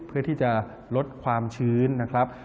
เพื่อที่จะลดความชื้นนะครับ